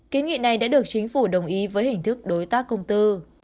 kiến nghị này đã được chính phủ đồng ý với hình thức đối tác công tư